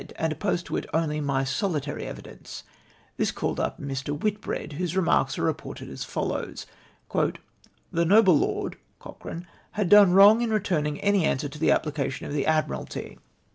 and opposed to it only my solitary evidence. Tliis called up j\ii". Whitbread, whose i e marks are reported as foUows :— "The noble lord (Cochrane) had done wrong in returning any answer to the application of tlie Admiralty.